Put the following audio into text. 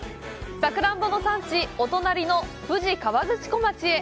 さくらんぼの産地、お隣の富士河口湖町へ。